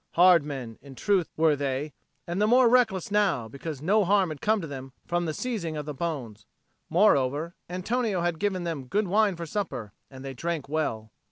Hard men, in truth, were they, and the more reckless now, because no harm had come to them from the seizing of the bones; moreover Antonio had given them good wine for supper, and they drank well.